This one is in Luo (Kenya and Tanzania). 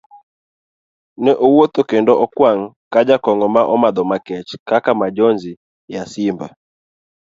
Ne owuotho kendo okwang' ka jakong'o ma omadho makech kaka Majonzi ya simba.